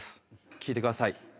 聴いてください。